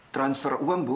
transfer uang bu